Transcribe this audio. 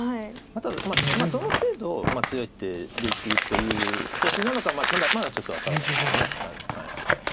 ただどの程度強い手でいくという方針なのかまだちょっと分からないです。